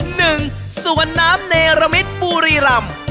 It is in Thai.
หนึ่งสวนน้ำเนรมิตบุรีรำ